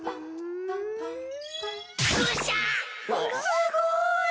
すごーい！